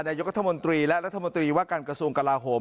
นายกรัฐมนตรีและรัฐมนตรีว่าการกระทรวงกลาโหม